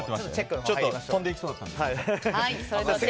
ちょっと飛んでいきそうだったので。